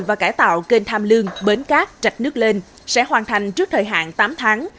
và cải tạo kênh tham lương bến cát rạch nước lên sẽ hoàn thành trước thời hạn tám tháng